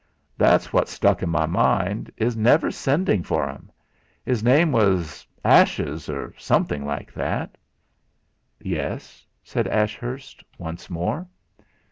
That's what stuck in my mind 'is never sendin' for 'em. 'Is name was Ashes, or somethen' like that." "Yes?" said Ashurst once more.